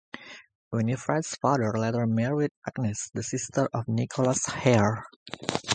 Winifred's father later married Agnes, the sister of Nicholas Hare.